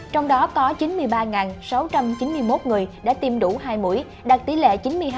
trong đó có chín mươi ba sáu trăm chín mươi một người đã tiêm đủ hai mũi đạt tỷ lệ chín mươi hai hai mươi bảy